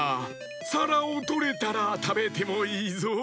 さらをとれたらたべてもいいぞ。